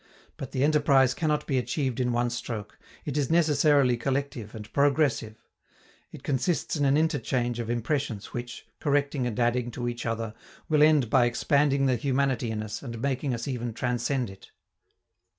But the enterprise cannot be achieved in one stroke; it is necessarily collective and progressive. It consists in an interchange of impressions which, correcting and adding to each other, will end by expanding the humanity in us and making us even transcend it.